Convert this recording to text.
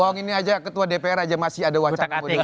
bohong ini aja ketua dpr aja masih ada wacana kemudian